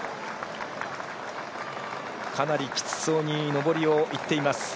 かなりきつそうに上りをいっています。